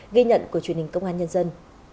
ghi nhận của truyền hình công an nhân dân